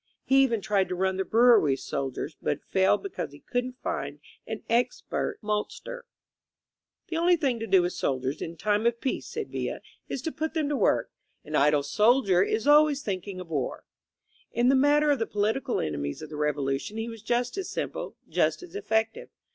He even tried to run the brewery with soldiers, but failed be cause he couldn't find an expert maltster. The only thing to do with soldiers in time of peace," said Villa, 127 INSURGENT MEXICO *^is to put them to work. An idle soldier is always thinking of war/' In the matter of the political enemies of the Revolu tion he was just as simple, just as effective.